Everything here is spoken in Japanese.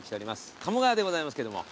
鴨川でございますけども。